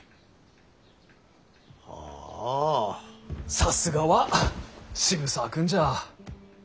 さすがは渋沢君じゃ。